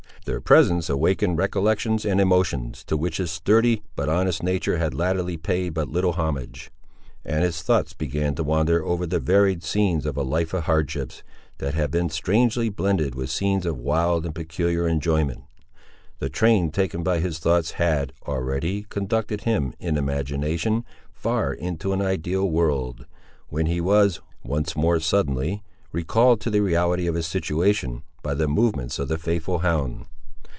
Their presence awakened recollections and emotions, to which his sturdy but honest nature had latterly paid but little homage, and his thoughts began to wander over the varied scenes of a life of hardships, that had been strangely blended with scenes of wild and peculiar enjoyment. The train taken by his thoughts had, already, conducted him, in imagination, far into an ideal world, when he was, once more suddenly, recalled to the reality of his situation, by the movements of the faithful hound.